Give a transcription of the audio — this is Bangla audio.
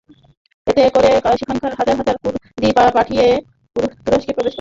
এতে করে সেখানকার হাজার হাজার কুর্দি পালিয়ে প্রতিবেশী তুরস্কে প্রবেশ করে।